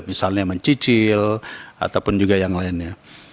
misalnya mencicil ataupun juga yang lainnya